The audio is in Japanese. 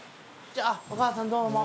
お母さんどうも。